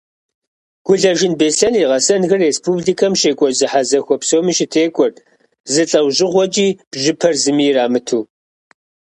Гулэжын Беслъэн и гъэсэнхэр республикэм щекӏуэкӏ зэхьэзэхуэ псоми щытекӏуэрт, зы лӏэужьыгъуэкӏи бжьыпэр зыми ирамыту.